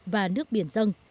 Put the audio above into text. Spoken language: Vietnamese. và nước biển dân